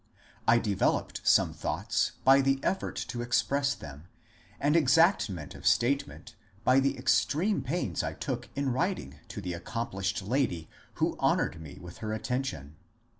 I developed some thoughts by the effort to express them, and exactness of state ment by the extreme pains I took in writing to the accom plished lady who honoured me with her attention.